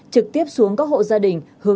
trực tiếp xuống các hộ gia đình